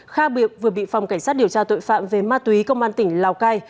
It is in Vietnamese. kha biệt vừa bị phòng cảnh sát điều tra tội phạm về ma túy công an tỉnh lào cai